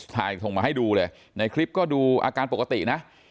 ส่งมาให้ดูเลยในคลิปก็ดูอาการปกตินะ